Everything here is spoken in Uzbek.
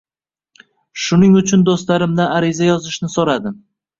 Shuning uchun do'stlarimdan ariza yozishni so'radim